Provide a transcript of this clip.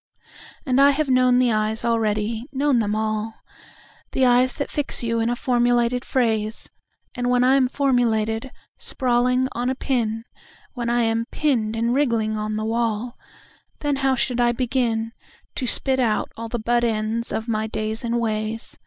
And I have known the eyes already, known them all—The eyes that fix you in a formulated phrase, And when I am formulated, sprawling on a pin, When I am pinned and wriggling on the wall, Then how should I beginTo spit out all the butt ends of my days and ways?